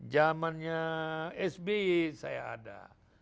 zamannya sby saya ada